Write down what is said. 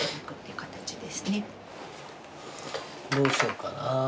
どうしよっかな。